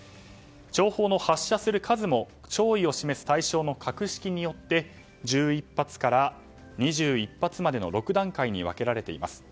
弔砲の発射する数も弔意を示す対象の格式によって、１１発から２１発までの６段階に分けられています。